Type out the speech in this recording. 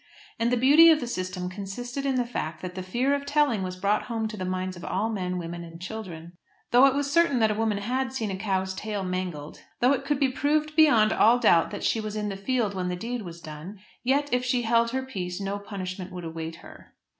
And the beauty of the system consisted in the fact that the fear of telling was brought home to the minds of all men, women, and children. Though it was certain that a woman had seen a cow's tail mangled, though it could be proved beyond all doubt that she was in the field when the deed was done, yet if she held her peace no punishment would await her.